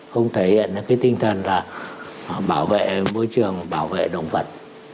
không thể hiện được cái tinh thần là bảo vệ môi trường bảo vệ động vật